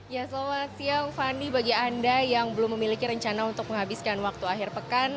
ya selamat siang fani bagi anda yang belum memiliki rencana untuk menghabiskan waktu akhir pekan